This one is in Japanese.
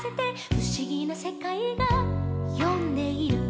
「ふしぎなせかいがよんでいる」